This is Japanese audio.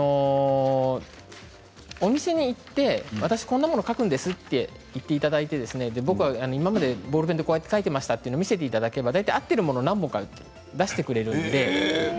お店に行って私こんなもの書くんですと言っていただいて僕は今までボールペンでこうやって書いていましたと見せていただければ合っているものを何本か出してくれます。